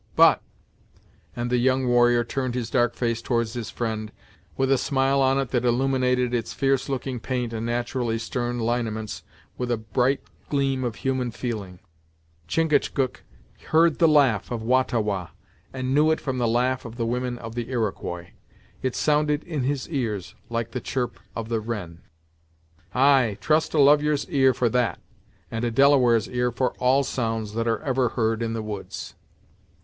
But" and the young warrior turned his dark face towards his friend, with a smile on it that illuminated its fierce looking paint and naturally stern lineaments with a bright gleam of human feeling, "Chingachgook heard the laugh of Wah ta Wah, and knew it from the laugh of the women of the Iroquois. It sounded in his ears, like the chirp of the wren." "Ay, trust a lovyer's ear for that, and a Delaware's ear for all sounds that are ever heard in the woods.